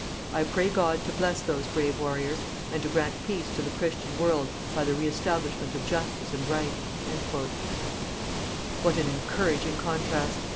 _ "_I pray God to bless those brave warriors and to grant peace to the Christian world by the reestablishment of Justice and Right._" What an encouraging contrast!